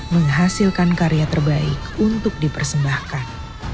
menghasilkan karya terbaik untuk dipersembahkan